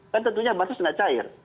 kan tentunya basis tidak cair